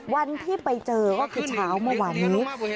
วันที่ไปเจอก็คือเช้าเมื่อวานนี้